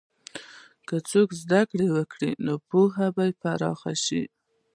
که څوک زده کړه وکړي، نو پوهه به پراخه شي.